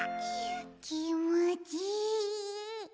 きもちいい。